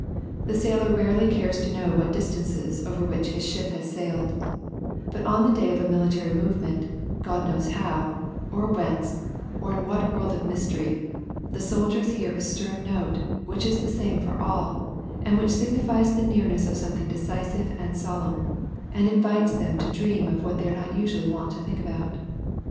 The sailor rarely cares to know what distances over which Us ship has sailed ; but on the day of a military movement, God knows how, or whence, or in what world of mystery, the soldiers hear a stern note, which is the same for all, and which ng:nifies the nearness of something decisive ^nd solemn, and invites them to dream of what they are not usually wont to think about.